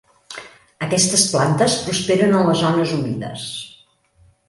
Aquestes plantes prosperen en les zones humides.